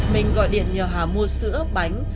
mình gọi điện nhờ hà mua sữa bánh